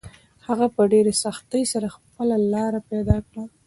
هغه په ډېرې سختۍ سره خپله لاره پیدا کړه.